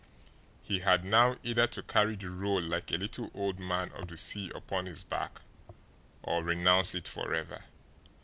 He had now either to carry the role like a little old man of the sea upon his back, or renounce it forever.